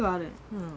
うん。